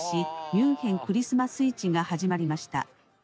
ミュンヘン・クリスマス市が始まりました」。